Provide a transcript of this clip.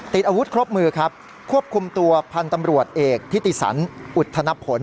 อาวุธครบมือครับควบคุมตัวพันธุ์ตำรวจเอกทิติสันอุทธนผล